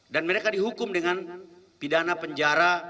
dan mereka dihukum dengan pidana penjara yang bervariasi